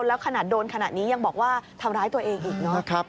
แล้วขนาดโดนขนาดนี้ยังบอกว่าทำร้ายตัวเองอีกเนอะ